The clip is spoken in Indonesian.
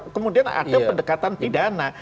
kemudian ada pendekatan pidana